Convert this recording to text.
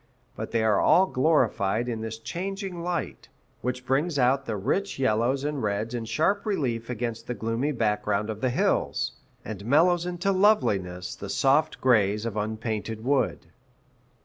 But they are all glorified in this changing light, which brings out the rich yellows and reds in sharp relief against the gloomy background of the hills, and mellows into loveliness the soft grays of unpainted wood.